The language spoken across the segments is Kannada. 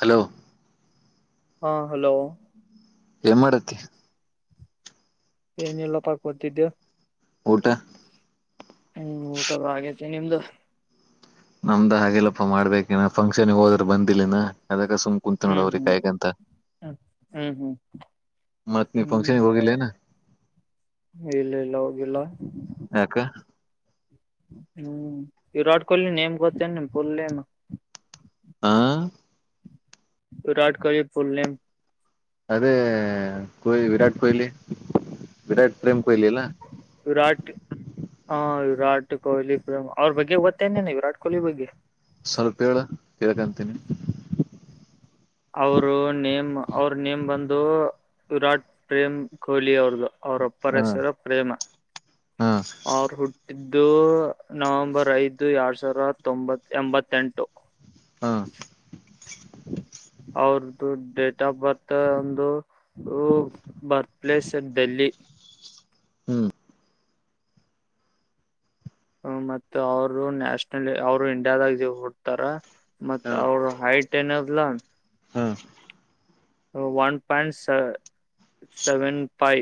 ಹಲೋ ಹಾ ಹಲೋ ಏನ್ ಮಾಡತಿ ಏನಲ್ಲಪ್ಪ ತಿದ್ದೆ ಊಟ ಹ್ಮ್ ಊಟದ ಹಾಗೇ ನಿಮ್ದು ನಮ್ದ ಹಾಗೆಲ್ಲಪ್ಪ ಮಾಡ್ಬೇಕೇನ ಫಂಕ್ಷನ್ ಹೋದ್ರ ಬಂದಿಲ್ಲನ ಅದ ಸುಮ್ ಕುತ್ ನೋಡ ಹ್ಮ್ ಅವ್ರಿ ಹ್ಮ್ ಕಾಯಗಂತ ಹ್ಮ್ ಹ್ಮ್ ಹ್ಮ್ ಹೋಗಿಲ್ಲೇನ ಇಲ್ಲ ಇಲ್ಲ ಹೋಗಲ್ಲ ಹಕ್ಕ ಹ್ಮ್ ವಿರಟ್ ಕೊಹ್ಲಿ ನೇಮ ಕೊಚ್ಚಾ ನನು ಪುಲ್ಲಮ ಹಾ ವಿರಾಟ್ ಕೊಹಲಿ ಪುಲ್ ನೇಮ ಅದೇಹ್ ವಿರಾಟ್ ಕೊಹ್ಲಿ ವಿರಾಟ್ ಪ್ರೇಮ ಪಹಲೆಲ್ಲ ವಿರಾಟ್ ಹ ವಿರಾಟ್ ಕೊಹ್ಲಿ ಪ್ರೇಮ ಅವ್ರ ಬಗ್ಗೆ ಓತ್ತೇನೇನೆ ವಿರಾಟ್ ಕೊಹ್ಲಿ ಬಗ್ಗೆ ಸ್ವಲ್ಪೇೇಳ ಕೇಳಕಂತೀನಿ ಅವರು ನೇಮ್ ಅವ್ರ ನೇಮ್ ಬಂದು ವಿರಾಟ್ ಪ್ರೇಮ್ ಕೊಹ್ಲಿ ಅವರು ಅವ್ರೊಪ್ಪರ ಹ ಹೆಸರ ಪ್ರೇಮ ಹಾ ಅವರು ಹುಟ್ಟಿದ್ದು ನವೆಂಬರ್ ಐದು ಎಡ್ ಸಾವರ ತೊಂಬತ್ ಎಂಬತ್ತೆಂಟು ಹಾ ಅವ್ರ ಡೇಟ್ ಆಫ್ ಬರ್ತ್ ಒಂದು ಬರ್ತ್ ಪ್ಲೇಸ್ ಡೆಲ್ಲಿ ಹ್ಮ್ ಹ ಮತ್ತ ಅವರು ನ್ಯಾಷನಲ್ ಅವರು ಇಂಡಿಯಾದಾಗ ಹಡ್ತಾರ ಮತ್ ಅವ್ರ ಹೈಟ್ ಏನದ್ಲಾ ಹ್ಮ ಒನ್ ಪಾಯಿಂಟ್ ಸೆವೆನ್ ಫೈ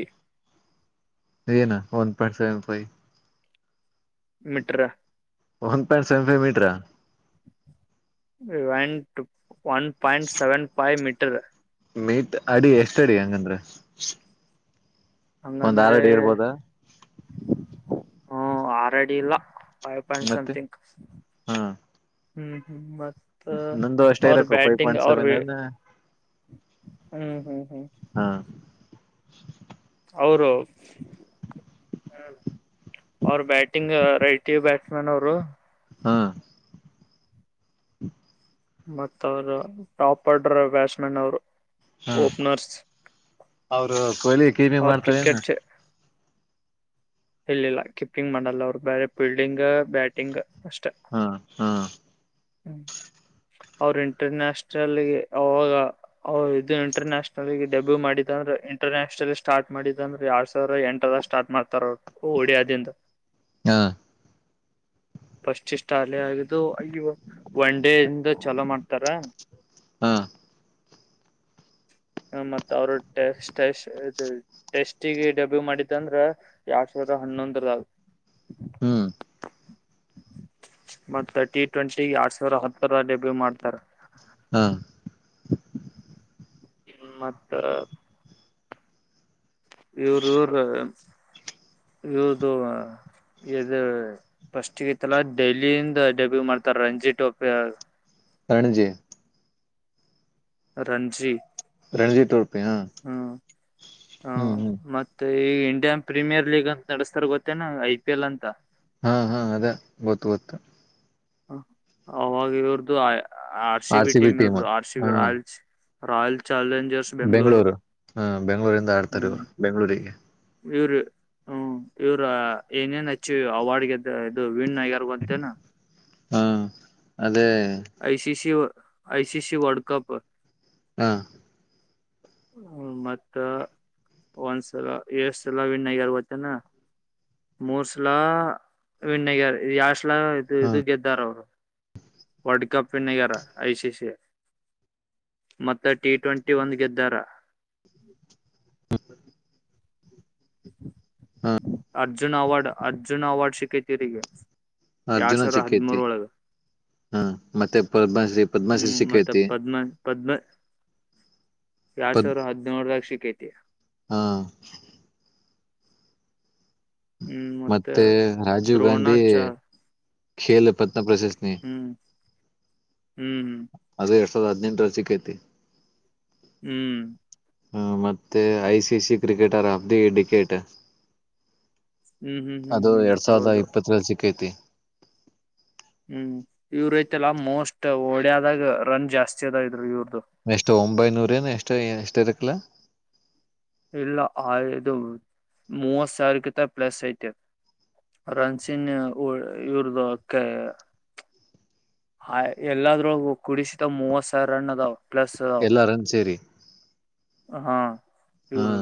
ಏನಾ one point seven five metre one point seven ಮೀಟರಾ ಇಟ್ one point seven five metre ಮೀಟ್ ಅಡಿ ಎಷ್ಟ ಅಡಿ ಹಂಗಂದ್ರ ಒಂದ್ ಆರ್ ಹಂಗಂದ್ರೆ ಅಡಿ ಇರ್ಬೋದಾ ಹ ಆರ್ಡಿ ಇಲ್ಲ ಫೈ ಪಾಯಿಂಟ್ ಮತ್ತೆ ಸಮಥಂಗ್ ಹಾ ಹ್ಮ್ ಹ್ಮ ಮತ್ತ ನಂದು ಅಷ್ಟೇ ಇರಕು ಫೈವ್ ಬ್ಯಾಟಿಂಗ್ ಪಾಯಿಂಟ್ ಸೆವೆನ್ ಅವ ಏನ ಹ್ಮ್ ಹ್ಮ್ ಹ್ಮ್ ಹಾ ಅವರು ಅವರ ಬ್ಯಾಟಿಂಗ್ ರೈಟ ಬ್ಯಾಟ್ಸ್ಮ್ಯನ್ ಅವರು ಹಾ್ ಹ್ಮ ಮತ್ತ ಅವ್ರ ಟಾಪ್ ಆರ್ಡರ್ ಬ್ಯಾಟ್ಸ್ ಮನ್ ಅವರು ಹಾ ಓಪನರ್ಸ್ ಅವರು ಕೊಹ್ಲಿ ಕೀಪಿಂಗ್ ಅವ್ರ ಮಾಡ್ತಾರೇನು ಕ್ರಿಕೆಟ್ ಚ ಇಲ್ಲಿಿಲ್ಲ ಕೀಪಿಂಗ್ ಮಾಡಲ್ಲ ಅವರು ಬೇರೆ ಫೀಲ್ಡಿಂಗ್ ಬ್ಯಾಟಿಂಗ್ ಅಷ್ಟ ಹಾ ಹಾ ಹ್ಮ ಅವ್ರ ಇಂಟರ್ ನ್ಯಾಷನಲ್ಗೆ ಅವಾಗ ಅವ ಇದು ಇಂಟರ್ನ್ಯಾಷನಲ್ಗೆ ಡೆಬ್ಯೂ ಮಾಡಿದ ಅಂದ್ರೆ ಇಂಟರ್ನ್ಯಾಷನಲ್ ಸ್ಟಾರ್ಟ್ ಮಾಡಿದ ಅಂದ್ರೆ ಎರಡ್ ಸಾವಿರ ಎಂಟರ ಸ್ಟಾರ್ಟ್ ಮಾಡ್ತಾರ ಅವರು ಒಡಿಯದಿಂದ ಹಾ ಫಸ್ಟಿಷ್ಟ ಅಾಲ ಆಗಿದ್ದ ಒ ಡೇ ಇಿಂದ ಚಲೋ ಮಾಡ್ತಾರ ಹಾಂ ಹ ಮತ್ತ ಅವರು ಟ ಟೆಸ್ಟ್ಿಗೆ ಡೆಬ್ಯೂ ಮಾಡಿದ ಅಂದ್ರ ಯಾವ ಸ ಹಾನೊಂದರಾಗ ಹ್ಮ್ ಮತ್ತ ಟಿ ಟ್ವೆಂಟಿ ಎರಡ್ ಸಾವಿರ ಹತ್ತರ ಡೆಬ್ಯೂ ಮಾಡ್ತಾರೆ ಹಾ ಮತ್ತ ಇವರು ಇವರು ಇವ್ರ್ದ ಇದು ಫಸ್ಟ್ಗತ್ತಲ್ಲ ಡೆಲ್ಲಿಂದ ಡೆಬ್ಯೂ ಮಾಡ್ತಾರ ರಂಜಿತ್ ಟೋಪಿ ಪ್ರಣಜಿ ರಂಜಿ ರಣಜಿತ್ ಉಡುಪಿ ಹಾ ಹ್ಮ್ ಹ್ಮ್ ಹ್ಮ್ ಈಗ ಇಂಡಿಯನ್ ಪ್ರೀಮಿಯರ್ ಲೀಗ್ ಅಂತ ನಡೆಸ್ತಾರ ಗೊತ್ತೇನಾ ಐ ಪಿ ಎಲ್ ಅಂತ ಹಾ ಹಾ ಅದೇ ಗೊತ್ತು ಗೊತ್ತು ಅವಾಗ ಇವರದು ಆರ್ ಸಿಿ ಬಿ ಟೀಮ್ ಇವ್ರದು R C B Royals Royal ಚ ಬೆಂ್ಗಳೂರು ಹ ಬೆಂ್ಗಳೂರಿಂದ ಆಡ್ತಾರೆ ಹ್ಮ್ ಇವ್ರು ಬೆಂಗಳೂರಿಗೆ ಇವ್ರ ಹ್ಮ ಇವ್ರ ಏನೇನ್ ಹಚ್ಚಿ ಅವಾರ್ಡ್ಗೆದ ಇದು ವೀಣಗ್ಯಾರ ಅಂತನಾ ಹಾ ಅದೇ I C C I C C World Cup ಹಾ ಹ್ಮ ಮತ್ತ ಒಂದ್ಸಲ ಎಷ್ಟ ಸಲ ವನ್ ಆಗ್ಯಾರ ಗತ್ತನಾ ಮೂರ್ಸಲಾ ವಿಣ್ಣಗರ್ ಯಾಷ್ಟಲ ಇದು ಹಾ ಇದು ಗೆದ್ದಾರ ಅವರು ವರ್ಲ್ಡ್ ಕಪ್ ವಿನ್ನಗರ ಐಸ ಸಿ ಎ ಮತ್ತೆ ಟಿ ಟ್ವೆಂಟಿ ಒಂದು್ ಗೆದ್ದಾರ ಹ ಅರ್ಜುನ್ ಅವಾರ್ಡ್ ಅರ್ಜುನ್ ಅವಾರ್ಡ್ ಸಿಿಕೈತಿೀರಿಗೆ ಎಾರ್ ಅರ್ಜುನ ಸಾವಿರ ಹದ್ಮೂರ ಸಿಕ್ಕೈತಿ ಒಳಗೆ ಹಾ ಮತ್ತೆ ಪದ್ಮಶ್ರೀ ಪದ್ಮಶ್ರೀ ಹ್ಮ್ ಮತ್ತೆ ಸಿಕ್ಕೈತಿ ಪದ್ಮ ಪದ್ಮ ಎರಡ್ ಪದ್ ಸಾವಿರ ಹದಿನೂರದಾಗ ಸಿಕ್ಕೈತಿ ಹಾ ಹ್ಮ್ ಮತ್ತ ಮತ್ತೆ ರಾಜೀವ್ ಗಾಂಧಿ ದ್ರೋಣಾಚಾರ್ ೇಲ್ ಪತ್ನ ಪ್ರಶಸ್ನ ಹ್ಮ್ ಹ್ಮ್ ಅದು ಎರಡ್ ಸಾವಿರದ ಹದ್ಿನಂರ ಸಿಕ್ಕೈತಿ ಹ್ಮ್ ಹ ಮತ್ತೆ ICC cricketer of the decade ಹ್ಮ್ ಹ್ಮ್ ಹ್ಮ್ ಅದು ಹ್ಮ್ ಎರಡ್ ಸಾವಿರದ ಹೌದು ಇಪ್ಪತ್ತರಲ್ಲಿ ಸಿಕ್ಕೈತಿ ಹ್ಮ ಇವ್ರ ಐತೆಲ್ಲ ಮೋಸ್ಟ್ ಓಡ್ಯಾದಾಗ ರನ್ ಜಾಸ್ತಿ ಅದ ಇದ್ರು ಇವ್ರ ಎಷ್ಟು ಒಂಬೈನೂರ ಏನ್ ಎಷ್ಟು ಎಷ್ಟ ಇರಕ್ಲಾ. ಇಲ್ಲ ಆದು ಮೂವತ್ ಸಾವಿರಗಿಂತ ಪ್ಲಸ್ ಐತೆ ರಣಚಿನ್ ಇರ್ದುಕ್ಕೆ ಹ ಎಲ್ಲಾದ್ರೂ ಕುಡಿಸಿತಾವ್ ಮೂವತ್ ಸಾವಿರ ರನ್ ಅದಾವ ಪ್ಲಸ್ ಅದಾವ ಎಲ್ಲಾರನ್ನು ಸೇರಿ ಹಾ ಹಾ ಪ್ಯೂರ್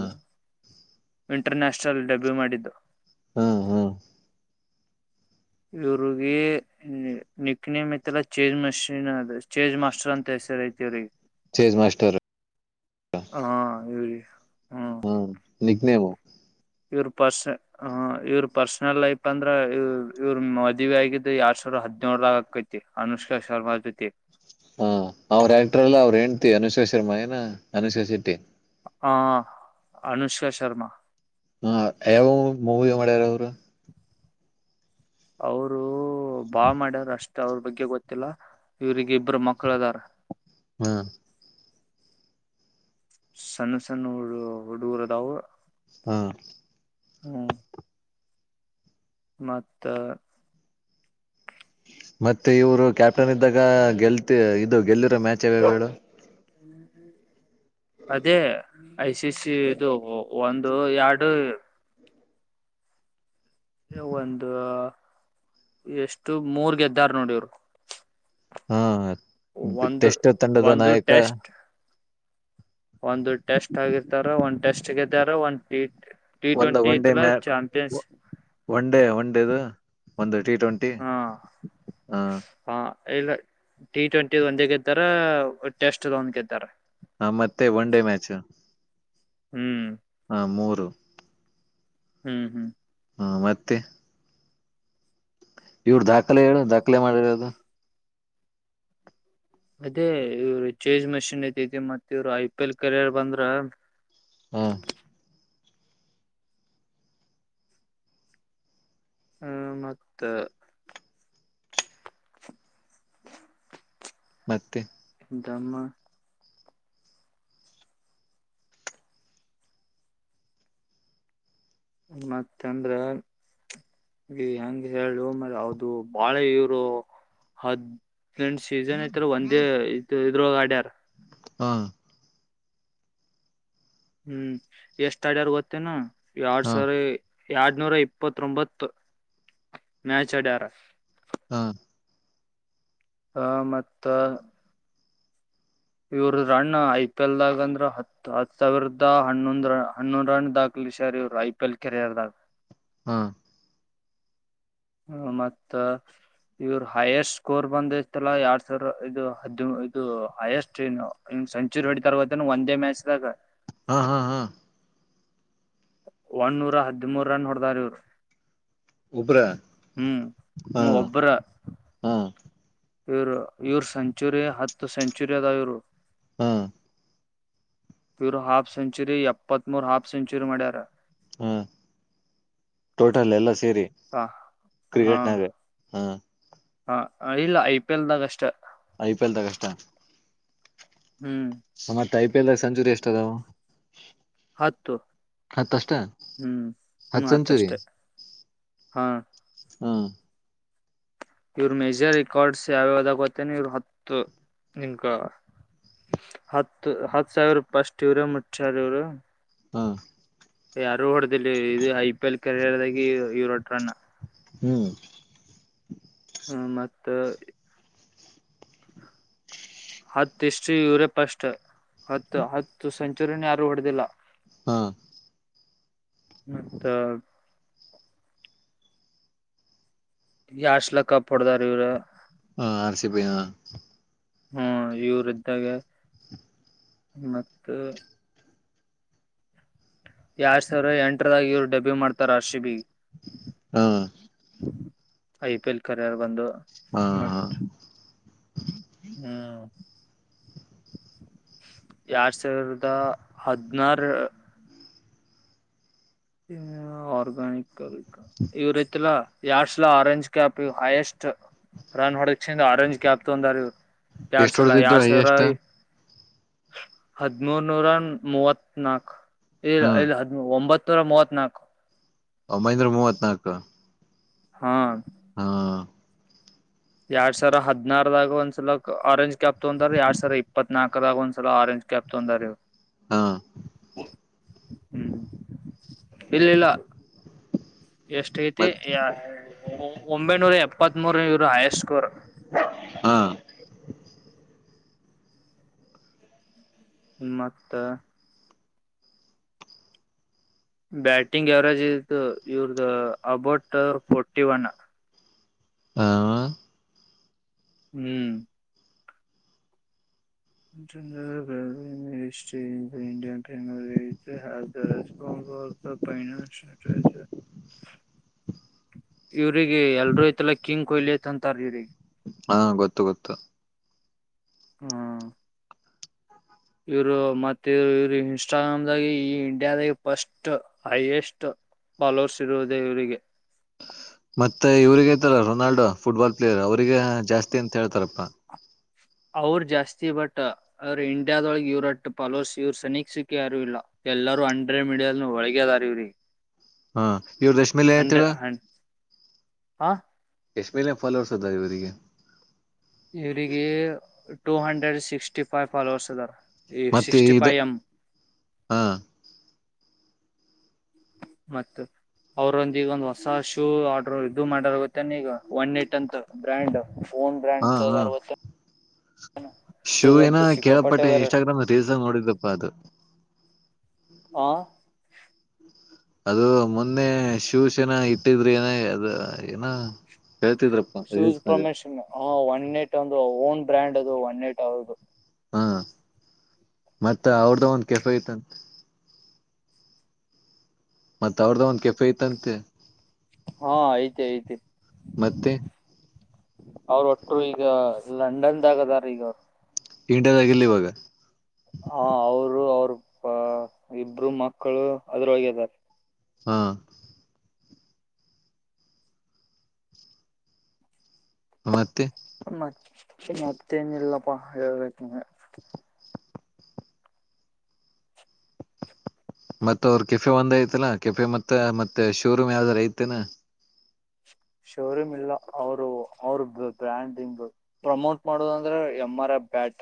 ಇಂಟರ್ ನ್ಯಾಷನಲ್ ಡೆಬ್ಯೂ ಮಾಡಿದ್ದು ಹ್ಮ್ ಹ್ಮ್ ಇವರುಗ ನಿಕ್ ನೇಮ ಐತೆಲ್ಲಾ ಚೇಜ್ ಮಷಿನ್ ಅದು ಚೇಜ್ ಮಾಸ್ಟರ್ ಅಂತ ಹೆಸರ್ ಐತಿ ಇ್ರಿಗೆ. ಚೇಜ್ ಮಾಸ್ಟರ್ ಹಾ ಇವ ರ ಹ್ಮ ನಗ್ನೇವ ಇವ್ರ ಪರ್ಸ ಇವ್ರ ಪರ್ಸನಲ್ ಲೈಫ್ ಅಂದ್ರ ಇವ್ರ ಮದುವ ಆಗಿದ್ದ ಯಾರ್ ಸಾವಿರ ಹದ್ಿನೇಳ ರ ಆಕೈತಿ ಅನುಷ್ಕಾ ಶರ್ಮಾ ಜೊತೆ ಹಾ ಅವ್ರ ಆಕ್ಟರ್ ಎಲ್ಲ ಅವ್ರರು ಹೆ್ತಿವಿ ಅನುಶ್ಕಾ ಶರ್ಮಾ ಏನ ಅನುಶಾ ಶೆಟ್ಟಿ. ಹಾ ಅನುಷ್ಕಾ ಶರ್ಮಾ ಹಾ ಯವ ಮೂವ ಮಾಡ್ಯ ರರ ಅವರು ಬಾ ಮಾಡ್ಯರು ಅಷ್ಟ ಅವ್ರ ಬಗ್ಗೆ ಗೊತ್ತಿಲ್ಲ ಇವ್ರಿಗೆ ಇಬ್ರು ಮಕ್ಳ ಅದಾರ ಹ್ಮ ಸಣ್ಣ ಸಣ್ಣಡು ಹಡುಗರದವು ಹಾ ಹ್ಮ್ ಮತ್ತ ಮತ್ತೆ ಇವರು ಕ್ಯಾಪ್ಟನ್ ಇದ್ದಾಗ ಗೆಲ್ತಿ ಇದು ಗೆಲ್ಲಿರೋ ಮ್ಯಾಚ್ ಯಾವ ಹೇಳು. ಹ್ಮ್ ಹ್ಮ್ ಅದೇ ಐ ಸಿ ಸಿ ಇದು ಒಂದು ಎರಡು ಒಂದ ಎಷ್ಟು ಮೂರ್ ಗೆದ್ದಾರ ನೋಡಿ ಇವ್ರು ಹಾ ಟೆಸ್ಟ್ ತಂಡದ ಒಂದು ನಾಯಕ ಟೆಸ್ಟ್ ಒಂದು ಟೆಸ್ಟ್ ಆಗಿರ್ತಾರ ಒಂದ್ ಟೆಸ್ಟ್ ಗೆ್ದಾರ ಒಂದ್ ಟ ಒಂದ ಟ್ವೆಂಟಿ ಒನ್ ಡೇ ಇಲ್ಲ ಮ್ಯಾ ಚಾಂಪಿಯನ್ಸ್ ಒನ್ ಡೇ ಒನ್ ಡೇದು ಒಂದು ಟಿ ಟ್ವೆಂಟಿ ಹಾ ಹ ಹಾ ಇಲ್ಲ ಟಿ ಟ್ವೆಂಟಿ ಒಂದೇ ಗೆದ್ದಾರ ಟೆಸ್ಟ್ ಒಂದ್ ಗೆದ್ದಾರ. ಹ ಮತ್ತೆ ಒನ್ ಡೇ ಮ್ಯಾಚ್ ಹ್ಮ್ ಹಾ ಮೂರು ಹ್ಮ್ ಹ್ಮ್ ಹಾ ಮತ್ತೆ ಇವ್ರ ದಾಖಲೆ ಹೇಳ ದಾಖಲೆ ಮಾಡಿರದು ಅದೇ ಇವ್ರು ಚೇಜ್ ಮಷಿನ್ ಐತೆತಿ ಮತ್ತ ಇವ್ರು ಐ ಪಿ ಎಲ್ ಕೆರಿಯರ್ ಬಂದ್ರ ಹಾ ಹ್ಮ ಮತ್ತ ಮತ್ತೆ ದಮ್ಮ ಮತ್ತ ಅಂದ್ರೆ ಈ ಹೆಂಗೆ ಹೇಳಿಮೇಲೆ ಹೌದು ಬಾಳೆ ಇವರು ಹದ ್ರಂಡ್ ಸೀಸನ್ ಐತ್ಾರ ಒಂದೇ ಇದ ಇದ್ರ ಅಡ್ಯಾರ್ ಹಾ ಹ್ಮ್ ಎಷ್ಟ ಆಡ್ಯಾರ್ ಗೊತ್ತೇನಾ ಎರಡ್ ಹಾ ಸಾವಿರ ಎರಡ್ನೂರ ಇಪ್ಪತ್ತೊಂಬತ್ ಮ್ಯಾಚ ಾರ ಹಾ ಹ ಮತ್ತ ಇವರ ರಣನ್ ಐಪಿಎಲ್ದಾಗಂದ್ರೆ ಹ ಹ ಸಾವಿರದ ಹನ್ನೊ ಹನ್ನೊಂದು ರನ್ ದಾಖಲೆ ಇವರು ಐ ಪಿ ಎಲ್ ಕೆರಿಯರ್ದಾಗ ಹಾ ಹ ಮತ್ತ ಇವ್ರ ಹೈಯೆಸ್ಟ್ ಸ್ಕೋರ್ ಬಂದ ಇತ್ತಲ್ಲಾ ಎರಡ್ ಸಾವಿರ ಇದು ಹದ ಇದು ಹೈಯೆಸ್ಟ್ ಸೆಚುರಿ ಹೊಡಿ ತರ್ದ ಒಂದೇ ಮ್ಯಾಚ್್ದಾಗ ಹಾ ಹಾ ಹಾ ಒನೂರ ಹದಿಮೂರು ರನ್ ಹೊಡೆದಾರ್ ಇವರು ಒಬ್ರ ಹ್ಮ್ ಹಾ ಹ್ಮ ಒಬ್ಬರ ಹಾ ಇವರು ಇವ್ರ ಸೆಂಚುರಿ ಹತ್ತು ಸೆಂಚುರಿ ಅದ ಇವರು ಹಾ ಇವರು ಹಾಫ್ ಸೆಂಚುರಿ ಎಪ್ಪತ್ತ್ ಮೂೂರು ಹಾಫ್ ಸೆಂಚುರಿ ಮಾಡ್ಯಾರೆ ಹಾ ಟೋಟಲ್ ಎಲ್ಲ ಸೇರಿ ಹ ಹಾ ಕ್ರಿಕೆಟ್ನಾಗ ಹಾ ಹ ಇಲ್ಲ ಐ ಪಿ ಎಲ್ದಾಗ ಅಷ್ಟ ಐ ಪಿ ಎಲ್ ತ ಕಷ್ಟ ಹ್ಮ್ ಮತ್ತತ್ ಐ ಪಿ ಎಲ್ಾಗ ಸೆಂಚುರಿ ಎಷ್ಟ ಅದಾವ ಹತ್ತು ಹತ್ತ ಅಷ್ಟ ಹ್ಮ್ ಹ್ಮ್ ಹತ್ ಸೆಂಚುರಿ ಹತ್ತಷ್ಟೆ ಹಾ ಹಾ ಇವ್ರ ಮೇಜರ್ ರೆಕಾರ್ಡ್ಸ್ ಯಾವ್ಯಾವದಾಗ ಹತ್ತೇನೆ ಇವರು ಹತ್ತು ನಿನ್ ಹತ್ತು ಹತ್ ಸಾವಿರ ರೂಪಿಷ್ಟ ಇವ್ರ ಮುಟ್್ರ ಇವ್ರು ಹಾ ಯಾರು ಹೊಡೆದಿಲ್ಲ ಇದು ಐ ಪಿ ಎಲ್ ಕೆರಿಯರ್ ಆಗಿ ಯರೋಟ್ ರನ್ ಹ್ಮ್ ಹ್ಮ ಮತ್ತ ಹತ್ತು ಇಷ್ಟು ಯುರೋಪ್ ಅಷ್ಟು ಹತ್ತು ಹತ್ತು ಸೆಂಚುರಿನ ಯಾರು ಹೊಡೆದಿಲ್ಲ ಹಾ ಹತ್ತ ಯಾಸ್ಲ ಕಾಪಡ್ದಾರೆ ಇವರ ಹಾ ಅರಸಿ ಪಯ ಹ್ಮ ಇವ್ರ ಇದ್ದಾಗ ಮ ಯಾರ್ ಸಾವಿರ ಎಂಟರದಾಗ ಇವ್ರು ಡಬ್ಯು ಮಾಡ್ತಾರ ಅರ್ಷಿ ಬಿಿ ಹಾ ಐ ಪಿ ಎಲ್ ಕರರ್ ಬಂದು ಹಾ ಹಾ ಮತ್ತ ಹ್ಮ್ ಎಾರ್ಡ್ ಸಾವಿರದ ಹದಿನಾರ ಆರ್ಗಾನಕ್ ಈವ ರೀತಿಲ ಯಾರ್ಡ್ಸ್ಲ ಆರೆಂಜ್ ಕ್ಯಾಪ್ ಹೈಯಸ್ಟ್ ರನ್ ಹೊಕ್ ಚಿಂದ ಆರೇಂಜ್ ಕ್ಯಾಪ್ತಂದಾರ ಎಡ್ ಎಷ್ಟ ಸಲ ಹೊಡೆದಿದ್ದು ಯಾರ್ ಸರ ಹೈಯೆಸ್ಟ್ ಹದ್ಮೂರ್ನೂರ ಮೂವತ್ ನಾಕು ಹಾ ಹದ ಒಂಬತ್ತು ಹೂರ ಮೂವತ್ನಾಲ್ಕು ಒ ಮೈಂದ್ರ ಮೂವತ್ನಾಾಕು ಹಾ ಹಾ ಎರಡ್ ಸಾವಿರ ಹದನಾರದಾಗ ಒಂದ್ಸಲ ಆರೆಂಜ್ ಕ್ಯಾಪ್ ತೊಂದ್ರ ಎರಡ್ ಸಾವಿರ ಇಪ್ಪತ್ ನಲ್ಕದಾಗ ಒಂದ್ಸಲ ಆರೆಂಜ್ ಕ್ಯಾಪ ತ ಹಂದ ರೋ ಹಾ ಹ್ಮ್ ಇಲ್ಲ ಇಲ್ಲ ಎಷ್ಟ ಐತಿ ಮತ್ ಒಂಬೈನೂರ ಎಪ್ಪತ್ ಮೂೂರ ಇವರು ಹಯಸ್ಟ್ ಸ್ಕೋರ್ ಹ್ಮ್ ಮತ್ತ. ಬ್ಯಾಟಿಂಗ್ ಅವರೇಜ್ ಇದು ಇವ್ರ್ದ ಅಬೌಟ್ ಅವ್ರಿದ ಫೋರ್ಟಿ ಒನ್. ಹಾ ಹ್ಮ್. [inaudible] ಸ್ವಲ್ಪ ಫೈನಾನ್ಸಿಯಲ್ ಅಟ್ಯಾಚ ಇವ್ರಿಗೆ ಎಲ್ರೂ ಐತಲ್ಲ ಕಿಂಗ್ ಕೊಹ್ಲಿ ಅಂತ ಅಂತಾರ ಇವ್ರಿಗೆ. ಹಾ ಗೊತ್ತು ಗೊತ್ತು. ಹಾ. ಇವರು ಮತ್ತೆ ಇವರು ಇವ್ರು ಇನ್ಸ್ಟಾಗ್ರಾಮ್ದಾಗ ಈ ಇಂಡಿಯಾದಾಗ ಫಸ್ಟ್ ಹೈಯೆಸ್ಟ್ ಫಾಲೋವರ್ಸ್ ಇರುವುದೇ ಇವ್ರಿಗೆ. ಮತ್ತೆ ಇವ್ರಗತರ ರೊನಾಲ್ಡೋ ಫುಟ್ಬಾಲ್ ಪ್ಲೇಯರ್ ಅವ್ರಗ ಇವರಿಗೆ ಜಾಸ್ತಿ ಅಂತ ಹೇಳ್ತಾರಪ್ಪಾ. ಅವ್ರ ಜಾಸ್ತಿ ಬಟ್ ಅವ್ರ ಇಂಡಿಯಾದೊಳಗೆ ಇವ್ರಟ್ಟ ಪಾಲೋರ್ಸ ಇವರು ಸನಸಕ್ಕೆ ಯಾರು ಇಲ್ಲ. ಎಲ್ಲರೂ ಅಂಡ್ರೆ ಮಿಡಿಯಲ್ ಒಳಗೆದಾರ ಇವ್ರಿಗೆ. ಹಾ ಇವರು. ಹಂಡ್ರೆಡ್ [unintelligible] ಹನ್ ಹ ಎಷ್ಟ್ಮೇಲೆ ಫಲೋರ್ಸದ ಇವ್ರಿಗೆ. ಇವ್ರಿಗೆ two hundred sixty five followers ಆದಾರ. ಈ ಮತ್ತೆ ಇದ ಸಿಕ್ಸ್ಟಿಫೈ ಎಂ. ಹಾ ಮತ್ತ. ಅವ್ರೊಂದ ಈಗ ಒಂದ್ ಹೊಸ ಶೂ ಆರ್ಡ್ರ ಇದು ಮಾಡಾರ ಗೊತ್ತೇ ಈಗ ಒನ್ ಏಟ್ ಅಂತ ಬ್ರ್ಯಾಂಡ್ ಓನ್ ಬ್ರ್ಯಾಂಡ್ ಹಾ ಹಾ ತೇಗದಾರ್ ಗೊತ್ತೇನ್. ಶೂ ಏನೋ ಇವ್ರದಂತೂ ಸಿಕ್ಕಾಪಟ್ಟೆ ಕೇಳಪಟ್ಟೆ ಬೇರೆ ಇನ್ಸ್ಟಾಗ್ರಾಮ್ ರೀಲ್ಸ್ ನೋಡಿದಪ್ಪಾ ಅದು. ಹಾ. ಅದು ಮೊನ್ನೆ ಶೂ ಶೋನಾ ಇಟ್ಟಿದ್ರೆ ಏನ ಅದು ಏನೋ ಶೂಸ್ ಪ್ರಮೋಷನ್ ಹಾ ಒನ್ ಓನ್ ಎಟ ಒಂದು ಓನ್ ಬ್ರ್ಯಾಂಡ್ ಅದು ಒನಏಟ್ ಅವ್ರದು. ಹಾ ಮತ್ತ ಅವ್ರ್ದ ಒಂದ ಕೆಫೆ ಇತ್ತ ಅಂತ. ಮತ್ತ ಅವ್ರ್ದ ಒಂದ ಕೆಫೆ ಇತ್ತಂತೆ. ಹಾ ಐತೆ ಐತೆ. ಮತ್ತೆ ಅವ್ರ ಒಟ್ರು ಈಗ ಲಂಡನ್ದಾಗದಾರ ಈಗ ಇಂಡಿಯಾದಾಗಿಲ್ಲ ಅವರ. ಇವಾಗ ಹಾ ಅವರು ಅವರು ಹಾ ಇಬ್ರು ಮಕ್ಕಳು ಅದರೊಳಗೆ ಇದಾರೆ. ಹಾ. ಮತ್ತೆ. ಮ ಮತ್ತೇನ ಇಲ್ಲಪ್ಪಾ ಹೇಳ್ಬೇಕ ನೀನ. ಮತ್ತ ಅವರು ಕೆಫೆ ಬಂದ ಐತಿಲ್ಲಾ ಕೆಫೆ ಮತ್ತ ಮತ್ತೆ ಶೋರೂಮ್ ಯಾವ್ದಾರ ಐತೆೇನ? ಶೋರೂಮ್ ಇಲ್ಲ ಅವರು ಅವ್ರ ಬ್ರ್ಯಾಂಡಿಂಗ್ ಪ್ರಮೋಟ್ ಮಾಡೋದಂದ್ರೆ ಎಂ ಆರ್ ಎಫ್ ಬ್ಯಾಟ್.